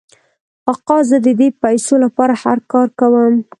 آقا زه د دې پیسو لپاره هر کار کوم.